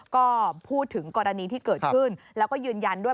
ก็พูดถึงกรณีที่เกิดขึ้นแล้วก็ยืนยันด้วย